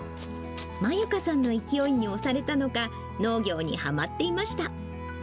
まゆかさんの勢いに押されたのか、農業にはまっていました。